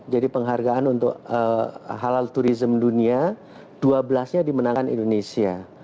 jadi penghargaan untuk halal turisme dunia dua belas nya dimenangkan indonesia